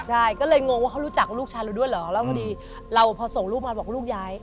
ใช่ก็เลยงงว่าเขารู้จักลูกชายลูกด้วยเหรอแล้วพอส่งลูกมาแล้วบอกลูกย้าย